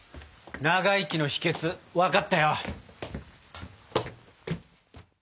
長生きの秘訣分かったよ。